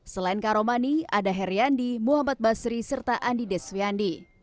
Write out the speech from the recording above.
selain karomani ada heriandi muhammad basri serta andi deswiandi